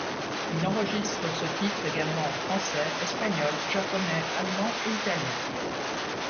Il enregistre ce titre également en français, espagnol, japonais, allemand, et italien.